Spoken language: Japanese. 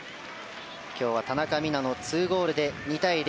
今日は田中美南の２ゴールで２対０